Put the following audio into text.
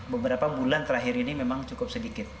beberapa bulan terakhir ini memang cukup sedikit